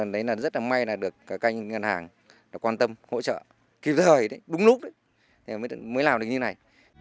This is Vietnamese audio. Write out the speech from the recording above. đấy là rất là may là được cả các ngân hàng quan tâm hỗ trợ kịp thời đúng lúc mới làm được như thế này